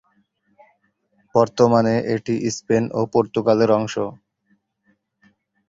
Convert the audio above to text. বর্তমানে এটি স্পেন ও পর্তুগালের অংশ।